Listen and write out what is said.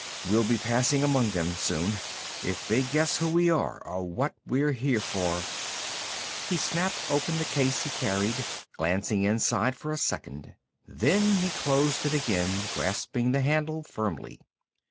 "We'll be passing among them, soon. If they guess who we are, or what we're here for " He snapped open the case he carried, glancing inside for a second. Then he closed it again, grasping the handle firmly.